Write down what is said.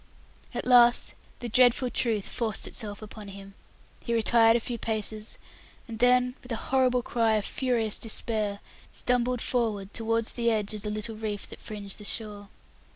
At last the dreadful truth forced itself upon him; he retired a few paces, and then, with a horrible cry of furious despair, stumbled forward towards the edge of the little reef that fringed the shore.